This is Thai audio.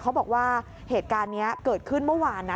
เขาบอกว่าเหตุการณ์นี้เกิดขึ้นเมื่อวานนะ